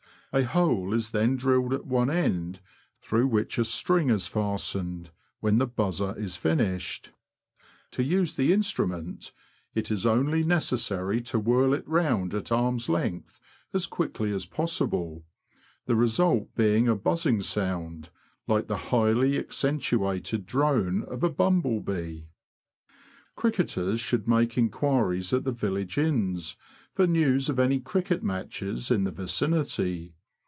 A hole is then drilled at one end, through which a string is fastened, when the ''buzzer'' is finished. To use the instrument, it is only necessary to whirl it round at arm's length as quickly as possible, the result being a buzzing sound, like the highly accentuated drone of a humble bee. Cricketers should make inquiries at the village inns for news of any cricket matches in the vicinity.